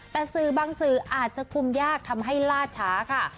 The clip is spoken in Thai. แต่สื่อบางสื่ออาจจะคุมยากทำให้ล่าช้าค่ะ